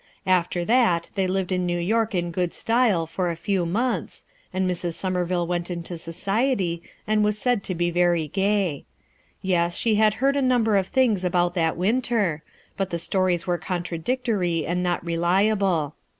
After that, they lived in New York in good style for a few months, and Mrs. S m erville went into society and was said to be very W' ^ eS| s}ie hatl neai "d * number of things about that winter, but the stories were contradictory and not reliable.